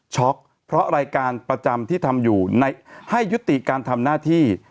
็อกเพราะรายการประจำที่ทำอยู่ให้ยุติการทำหน้าที่